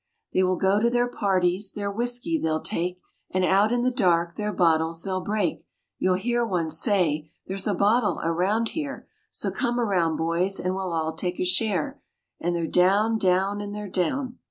They will go to their parties, their whiskey they'll take, And out in the dark their bottles they'll break; You'll hear one say, "There's a bottle around here; So come around, boys, and we'll all take a share," And they're down, down, and they're down.